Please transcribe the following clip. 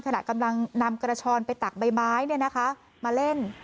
ขนาดกำลังนำกระชอนไปตักใบไม้เนี่ยนะคะมาเล่น